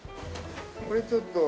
これちょっと。